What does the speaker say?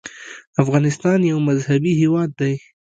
افغانستان یو مذهبي هېواد دی.